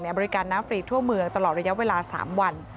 บริการน้ำฟรีทั่วเมืองตลอดระยะเวลา๓วัน